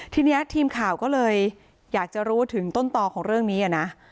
ทีนี้ทีมข่าวก็เลยอยากจะรู้ถึงต้นต่อของเรื่องนี้นะ